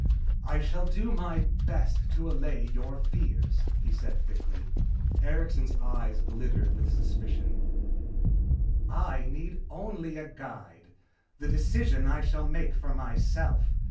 "I shall do my best to allay your fears," he said thickly. Erikson's eyes glittered with suspicion. "I need only a guide. The decisions I shall make for myself.